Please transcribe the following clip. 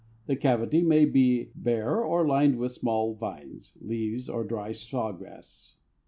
The cavity may be bare or lined with small vines, leaves or dry saw grass.